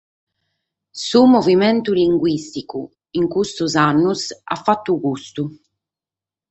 Su Movimentu Linguìsticu in custos annos at fatu custu.